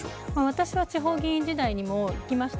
私は地方議員時代にも行きました。